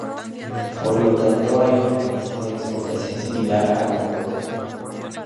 Por lo tanto hay un mecanismo de exportación similar al de importación.